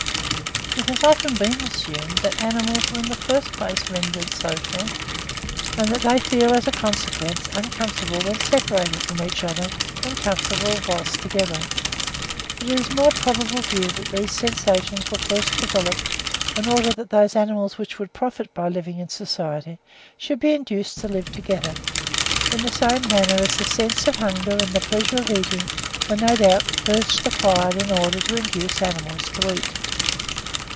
It has often been assumed that animals were in the first place rendered social, and that they feel as a consequence uncomfortable when separated from each other, and comfortable whilst together; but it is a more probable view that these sensations were first developed, in order that those animals which would profit by living in society, should be induced to live together, in the same manner as the sense of hunger and the pleasure of eating were, no doubt, first acquired in order to induce animals to eat.